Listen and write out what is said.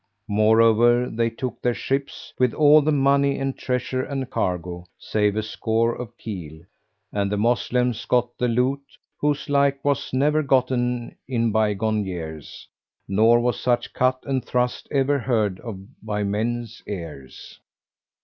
Moreover, they took their ships, with all the money and treasure and cargo, save a score of keel, and the Moslems got that loot whose like was never gotten in by gone years; nor was such cut and thrust ever heard of by men's ears.